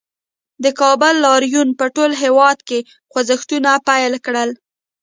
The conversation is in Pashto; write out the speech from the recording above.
د کابل لاریون په ټول هېواد کې خوځښتونه پیل کړل